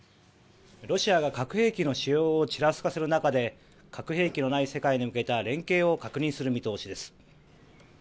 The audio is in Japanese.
ロシアが核兵器の使用をちらつかせる中で核兵器のない世界に向けた連携を確認する見通しです。